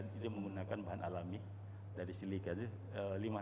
dia menggunakan bahan alami dari silikanya